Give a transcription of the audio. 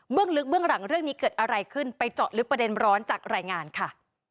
ลึกเบื้องหลังเรื่องนี้เกิดอะไรขึ้นไปเจาะลึกประเด็นร้อนจากรายงานค่ะ